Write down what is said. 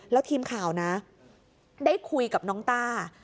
แล้วทีมข่าวนะได้คุยกับน้องต้า